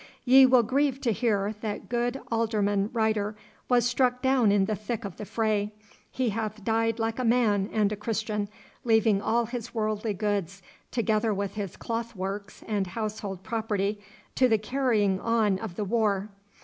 'Ye will grieve to hear that good Alderman Rider was struck down in the thick of the fray. He hath died like a man and a Christian, leaving all his worldly goods, together with his cloth works and household property, to the carrying on of the war.